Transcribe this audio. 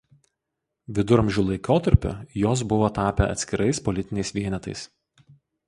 Viduramžių laikotarpiu jos buvo tapę atskirais politiniais vienetais.